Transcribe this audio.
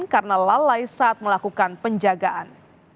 karena lalai saat melakukan penjagaan